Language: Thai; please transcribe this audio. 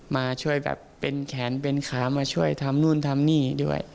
มาช่วยแบบเป็นแขนเป็นขามาช่วยทำนู่นทำนี่ด้วย